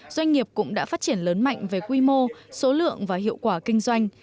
doanh nghiệp cũng đã phát triển lớn mạnh về quy mô số lượng và hiệu quả kinh doanh